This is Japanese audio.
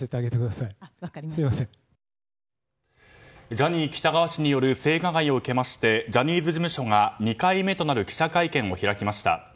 ジャニー喜多川氏による性加害を受けましてジャニーズ事務所が２回目となる記者会見を開きました。